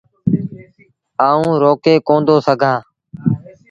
آئوٚݩ روڪي ڪوندو سگھآݩ۔